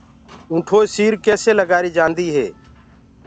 اونٺو سير ڪيسي لگآري جآندي هي